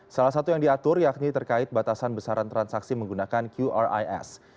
salah satu yang diatur yakni terkait batasan besaran transaksi menggunakan qris